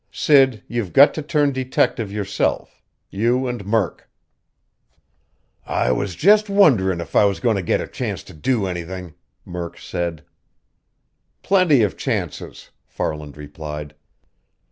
Sid, you've got to turn detective yourself you and Murk." "I was just wonderin' if I was goin' to get a chance to do anything," Murk said. "Plenty of chances," Farland replied.